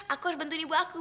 aku harus bantuin ibu aku